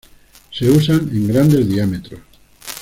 Se usan en grandes diámetros.